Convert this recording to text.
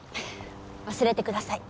忘れてください。